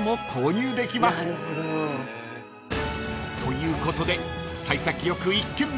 ［ということで幸先よく１軒目］